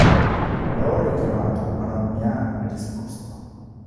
Lo ho richiamato, ma non mi ha risposto.